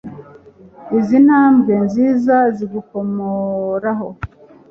izi ntambwe nziza zigukomoraho